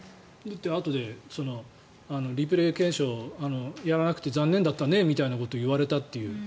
あとでリプレー検証やらなくて残念だったねみたいなことを言われたという。